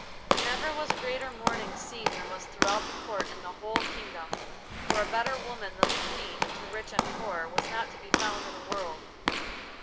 Never was greater mourning seen than was throughout the Court and the whole kingdom; for a better woman than the Queen, to rich and poor, was not to be found in the world.